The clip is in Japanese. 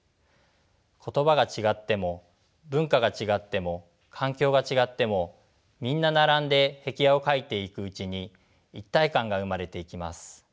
言葉が違っても文化が違っても環境が違ってもみんな並んで壁画を描いていくうちに一体感が生まれていきます。